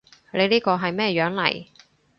你呢個係咩樣嚟？